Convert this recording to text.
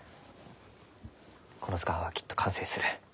この図鑑はきっと完成する。